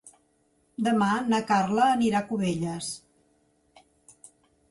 Demà na Carla anirà a Cubelles.